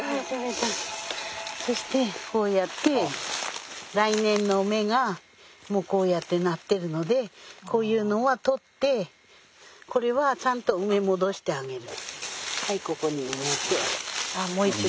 そしてこうやって来年の芽がこうやってなってるのでこういうのはとってこれはちゃんと埋め戻してあげる。